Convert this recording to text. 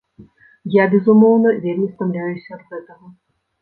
Я, безумоўна, вельмі стамляюся ад гэтага.